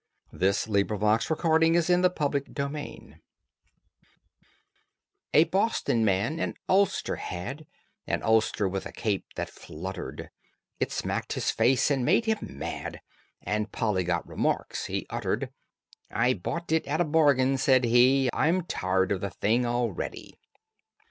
THE IMPETUOUS BREEZE AND THE DIPLOMATIC SUN A Boston man an ulster had, An ulster with a cape that fluttered: It smacked his face, and made him mad, And polyglot remarks he uttered: "I bought it at a bargain," said he, "I'm tired of the thing already."